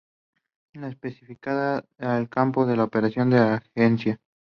Esta especificaba el campo de operaciones de la agencia.